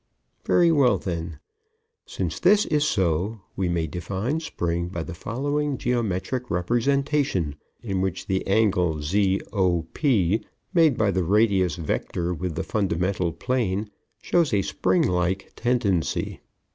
Very well, then. Since this is so, we may define Spring by the following geometric representation in which the angle ZOP, made by the radius vector with the fundamental plane, shows a springlike tendency.